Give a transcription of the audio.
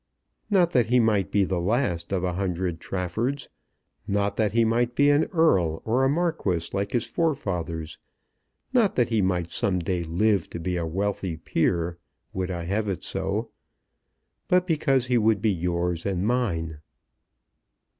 Not that he might be the last of a hundred Traffords, not that he might be an Earl or a Marquis like his forefathers, not that he might some day live to be a wealthy peer, would I have it so, but because he would be yours and mine."